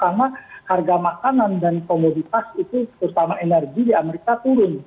karena harga makanan dan komoditas itu terutama energi di amerika turun